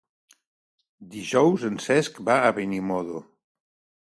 Dijous en Cesc va a Benimodo.